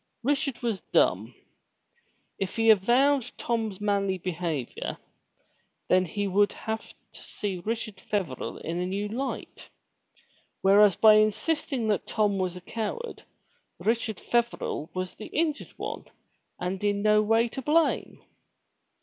Richard was dumb. If he avowed Tom's manly behavior, then he would have to see Richard Feverel in a new light. Whereas, by insisting that Tom was a coward Richard Feverel was the injured one and in no way to blame.